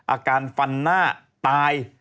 อาการฟันหน้าตาย